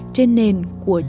trên nền của chuông bằng đồng